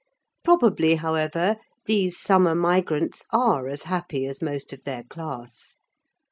Probably, however, these summer migrants are as happy as most of their class.